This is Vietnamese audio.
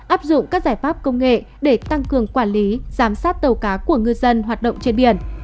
áp dụng các giải pháp công nghệ để tăng cường quản lý giám sát tàu cá của ngư dân hoạt động trên biển